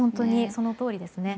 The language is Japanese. そのとおりですね。